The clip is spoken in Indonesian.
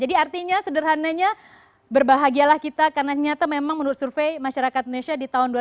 jadi artinya sederhananya berbahagialah kita karena ternyata memang menurut survei masyarakat indonesia di tahun dua ribu tujuh belas